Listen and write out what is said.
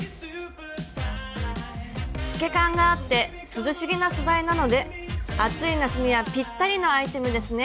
透け感があって涼しげな素材なので暑い夏にはぴったりのアイテムですね。